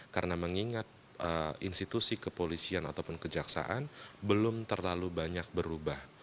karena mengingat institusi kepolisian ataupun kejaksaan belum terlalu banyak berubah